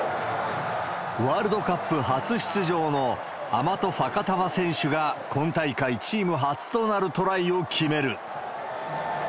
ワールドカップ初出場のアマト・ファカタヴァ選手が、今大会チーム初となるトライを決める。